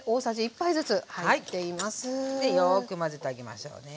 でよく混ぜてあげましょうね。